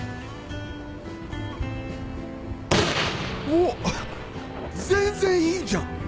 うおっ全然いいじゃん！